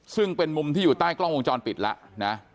ซึ่งเป็นมุมที่อยู่ใต้กล้องวงจรปิดแล้วนะ